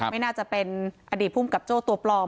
ไม่น่าจะเป็นอดีตภูมิกับโจ้ตัวปลอม